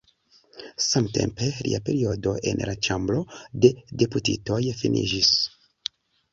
Samtempe, lia periodo en la Ĉambro de Deputitoj finiĝis.